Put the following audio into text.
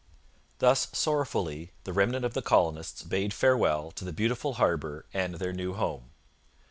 Thus sorrowfully the remnant of the colonists bade farewell to the beautiful harbour and their new home.